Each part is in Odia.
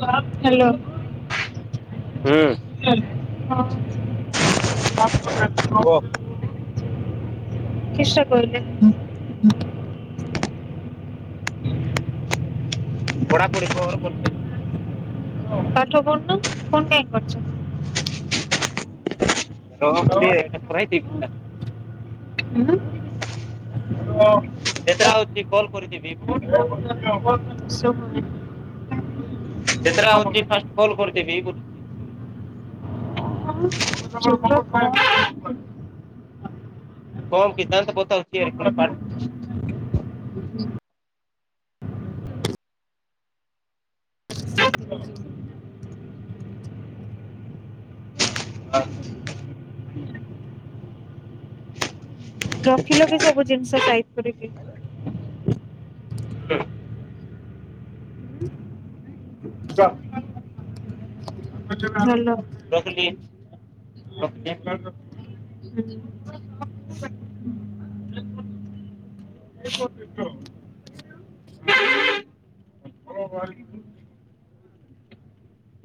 ହାଲୋ। ହୁଁ। ପଢାପଢି [inaudible] ଶେଷ କରିଦେ। [inaudible] ପଢ଼ା ପଢ଼ି କର ବୋଲେ। ପାଠ ପଢ଼ୁନ ଫୋନ କାହିଁ କରୁଚ। ରହ ଫ୍ରି ଏଟା କରାଇଥିବି ହଲୋ-ହ। ଯେତେଟା ହଉଛି କଲ କରିଥିବି। [inaudible] ଯେତେଟା ହଉଛି ଫାଷ୍ଟ କଲ କରିଦବି [inaudible] କଣ ସିଧାନ୍ତ ପଚାରୁଛି ୟାର ପୁଣି କାଲିଠୁ [inaudible] [inaudible] ରଖିଲ କି ସବୁ ଜିନିଷ ଟାଇପ କରିକି? [inaudible] [inaudible] ହାଲୋ। [inaudible] ରଖିଲି ରଖିଲି [inaudible] [inaudible]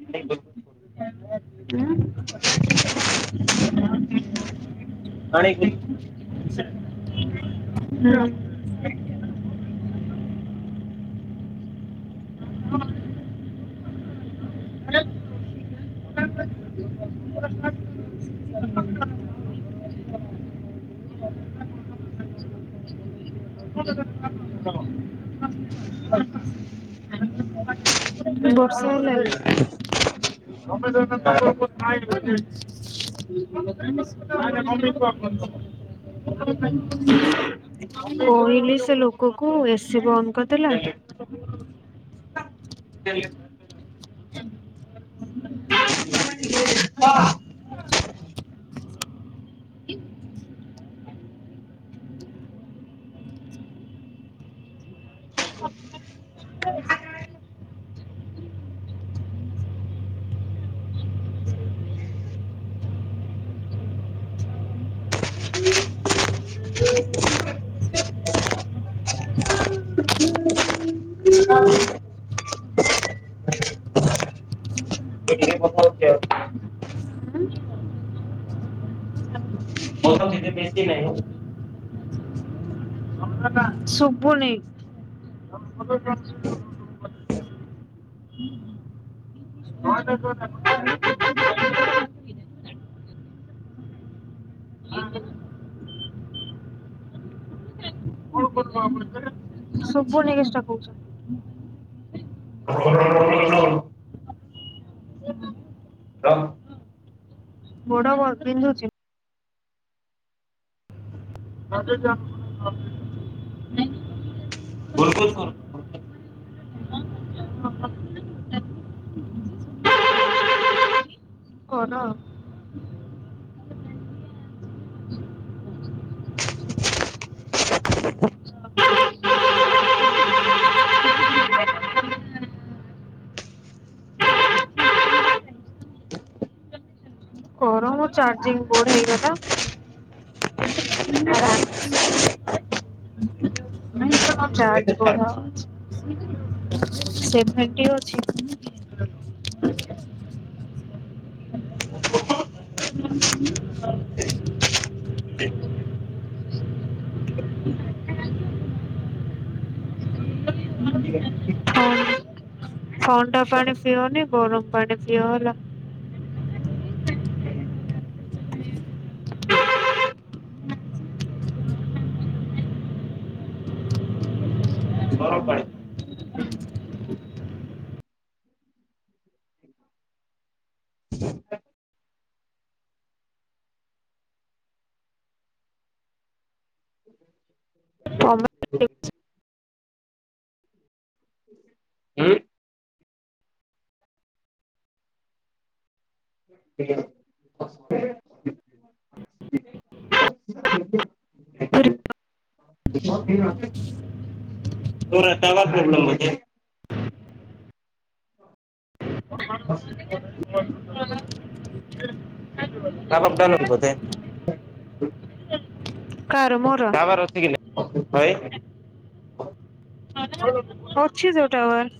ପାଣି ଗୁଲ ପା ବୁ ହଁ। ଉଁ ବର୍ଷା ହେଲା। ସମମେଦାନ ନବର। [inaudible] [inaudible] କହିଲି ସେ ଲୋକ କୁ ଏସିି ବନ୍ଦ କରିଦେଲା। ହଁ ହଁ। ସେ ମ ସେ ବେଶୀ ନାହିଁ। [inaudible] ସୁବୁ ନେଇ। ହଁ। ହଁ। ସବୁର୍ଣକ ସେଟା କହୁଛନ୍ତି। ବୋଡ ପିନ୍ଧୁଛି। [unintelligible] ଗୁଲଗୁଲ କରୁଛି [inaudible] କର। ହ [inaudible] ହ। ହଁ ମୋ ଚାର୍ଜିଂ ବୋର୍ଡ ହେଇଗଲା। [unintelligible] ଚାର୍ଜ ବୋର୍ଡ [unintelligible] [inaudible] [inaudible] ହ ଆ ଥଣ୍ଡା ପାଣି ପିଓନି ଗରମ୍ ପାଣି ପିଓ ହେଲା। [unintelligible] ଗରମ୍ ପାଣି। ହୁଁ [unintelligible] [unintelligible] [unintelligible] [unintelligible] [unintelligible] ହଁ ଅସ୍ ଟାୱାର ଡାଉନ୍ ଅଛି ବୋଧେ [unintelligible] କାହାର ମୋର? [unintelligible] ଅଛି ତ ଟାୱାର୍।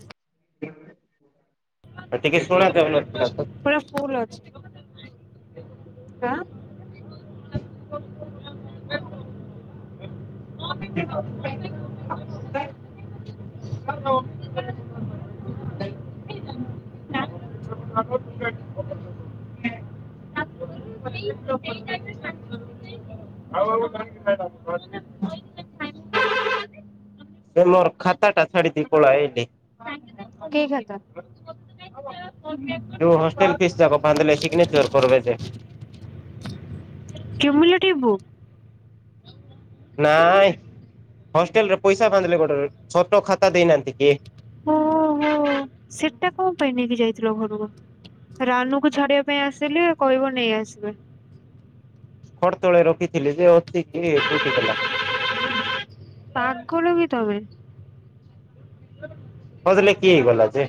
ଆ ଟିକେ ଶୁଣ [unintelligible] [unintelligible] ଆଁ [unintelligible] [inaudible] [inaudible] [inaudible] [inaudible] [inaudible] ଦେ ମୋର୍ ଖାତା ଟା ଛାଡ଼ିଦେଇ ପଳାଏ ଦେ। କି ଖାତା? ଯୋଉ ହଷ୍ଟେଲ [unintelligible] [unintelligible] ନାଇଁ। ହଷ୍ଟେଲରେ ପଇସା [unintelligible] ଛୋଟ ଖାତା ଦେଇନାହାନ୍ତି କି? ଓ ହୋ। ସେଟା କଣ ପାଇଁ ନେଇକି ଯାଇଥିଲ ଘରକୁ? ରାନୁକୁ ଛାଡିବା ପାଇଁ ଆସିଲେ କହିବ ନେଇ ଆସିବେ। ଖଟ୍ ତଳେ ରଖିଥିଲି ଯେ ଅଛି କି କୋଉଠି ଗଲା? ପାଗଳ କି ତମେ। ହଜିଲେ କିଏ ଗଲା ଯେ?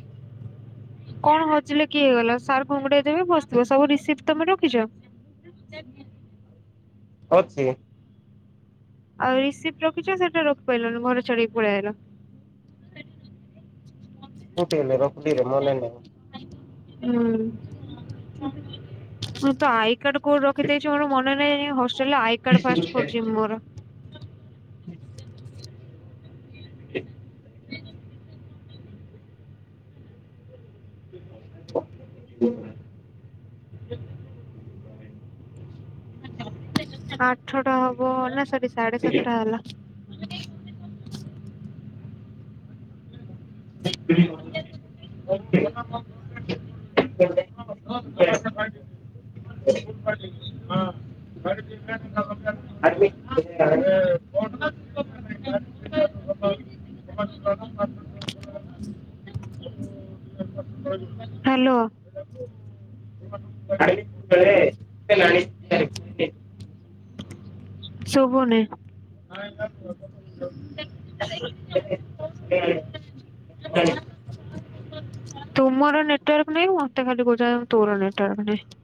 କଣ ହଜିଲେ କିଏ ହେଇଗଲା, ସାର୍ ଘୁଙ୍ଗୁଡେଇଦେବେ ବସିଥିବ। ସବୁ ରିସିପ୍ଟ ତମେ ରଖିଚ? [inaudible] ଅଛି। ଆଉ ରିସିପ୍ଟ ରଖିଚ ସେଟା ରଖି ପାରିଲନି ଘରେ ଛାଡିକି ପଳେଇ ଆଇଲ। କୋଉଠି ହେଲେ ରକ୍ତିରେ ମନେ ନାହିଁ। ହୁଁ ମୁତ ଆଇ କାର୍ଡ କୋଉ ରଖି ଦେଇଚି ମୋର ମନେ ନାହିଁ ଏଇନା ହଷ୍ଟେ ହଷ୍ଟେଲରେ ଆଇ କାର୍ଡ ଫାଷ୍ଟ ଖୋଜିମି ମୋର। [inaudible] [inaudible] [inaudible] [unintelligible] ଆଠଟା ହବ ନା ସରି ସାଢେ ସାତଟା ହେଲା‌। [unintelligible] [unintelligible] [unintelligible] ହଁ ଘରେ ଆଡ଼ିମି ହାଲୋ। [unintelligible] ନାହିଁ ତଳେ ଏନାଇଁ ସୁବୁନି। [unintelligible] ତୁମର ନେଟୱାର୍କ ନାଇଁ ମତେ ଖାଲି କହୁଚ ତୋର ନେଟୱାର୍କ ନାହିଁ।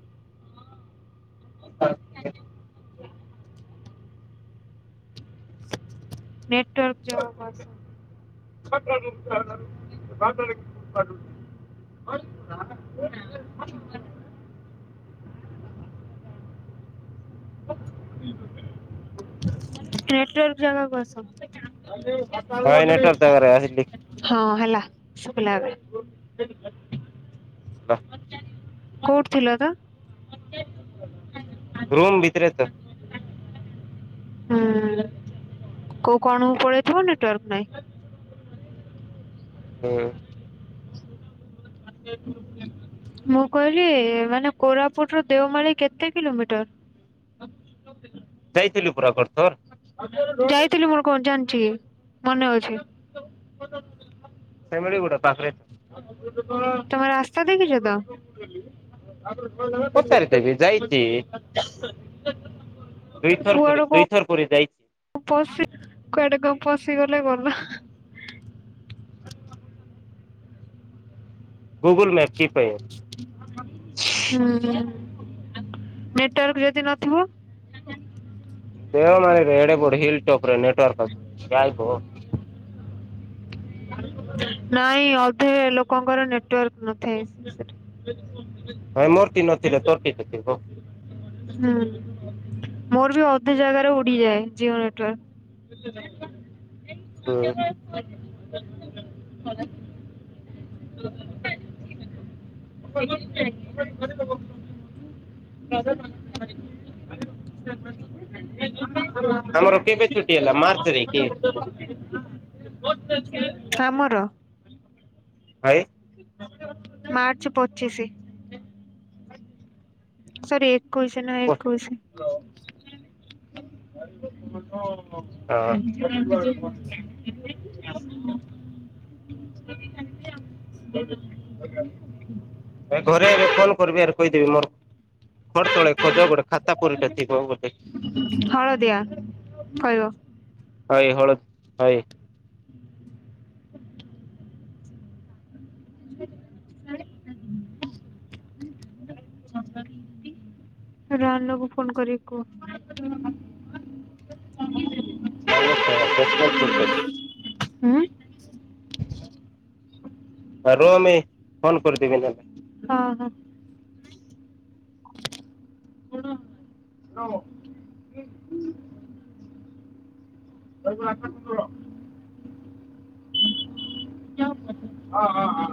ନେଟୱର୍କ ଯବା ପାସ [unintelligible] [unintelligible] ନେଟୱାର୍କ ଜାଗାକୁ ଆସ। ହଁ ନେଟୱାର୍କ ଜାଗାରେ ଆସିଲି [unintelligible] ହଁ ହେଲା ଶୁଭିଲା ଏବେ। କୋଉଠି ଥିଲତ? ରୁମ୍ ଭିତରେତ। ହୁଁ। କୋଉ କଣକୁ ପଳେଇଥିବ ନେଟୱାର୍କ ନାହିଁ। ହୁଁ। [unintelligible] ମୁଁ କହିଲି ମାନେ କୋରାପୁଟରୁ ଦେଓମାଳିୀ କେତେ କିଲୋମିଟର୍? ଯାଇଥିଲି ପୁରା ଏ ବର୍ତ୍ତ ଯାଇଥିଲି ମୋର କଣ ଜାଣିଚି ମନେ ଅଛି? ସେମାଳି କୋଉଟା ପାଖରେ ତମେ ରାସ୍ତା ଦେଖିଚତ? ପଚାରିଦେବି [unintelligible] ଦେଇଥର ପୁରେ ଦେଇଥର ପୁରେ ଯାଇ ପଶି କୁଆଡ଼େ କଣ ପଶିଗଲେ ଗଲା। ଗୁଗୁଲ୍ ମ୍ୟାପ୍ କି ପାଇଁ। ହୁଁ ହୁଁ ନେଟୱାର୍କ ଯଦି ନଥିବ? ଦେଓମାଳିରେ ଏଡ଼େ ବଡ଼ ହିଲ୍ ଟୋପରେ ନେଟୱାର୍କ୍ ଆସେ କାଇଁଗୋ ନାଇଁ ଅଧେ ଲୋକଙ୍କର ନେଟୱାର୍କ ନଥାଏ। [unintelligible] ହଁ ମୋରତି ନଥିଲେ ତୋରକିତ ଥିବ। ହୁଁ ମୋର ବି ଅଧେ ଜାଗାରେ ଉଡିଯାଏ ଜିଓ ନେଟୱାର୍କ। ହୁଁ [unintelligible] [unintelligible] [unintelligible] [unintelligible] ଆମର କେବେ ଛୁଟି ହେଲା ମାର୍ଚ୍ଚରେ କି? [unintelligible] ଆମର। [unintelligible] ମାର୍ଚ୍ଚ ପଚିଶି। ସରି ଏକୋଇଶି ନା ହଁ ଏକୋଇଶି। [unintelligible] [unintelligible] ଏ ଘରେ ଏବେ ଫୋନ କରିବି ଆରେ କହିଦେବି ମୋର ଖର ତଳେ ଖୋଜ ଗୋଡେ ହଳଦିଆ କହିବ? ଭାଇ ହଳଦ ଭାଇ [unintelligible] [unintelligible] ଫୋନ କରିକି କୁହ? ହଁ [unintelligible] [unintelligible] ଫୋନ କରିଦେବି ନହେଲେ ହଁ ହଁ। [unintelligible] [unintelligible] ହଁ ହଁ ହଁ।